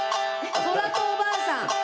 虎とおばあさん。